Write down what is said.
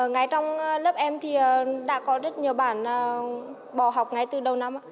ngay trong lớp em thì đã có rất nhiều bản bỏ học ngay từ đầu năm